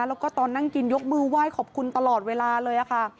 แล้วก็ตอนนั่งกินยกมือไหว้ขอบคุณตลอดเวลาเลยค่ะ